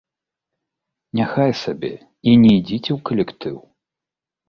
Няхай сабе і не ідзіце ў калектыў.